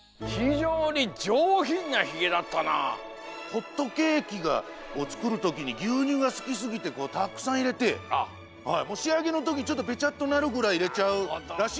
ホットケーキをつくるときにぎゅうにゅうがすきすぎてたくさんいれてしあげのときちょっとべちゃっとなるぐらいいれちゃうらしいですよ。